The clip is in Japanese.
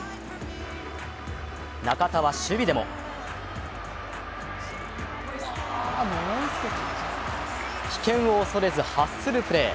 中田は守備でも危険を恐れずハッスルプレー。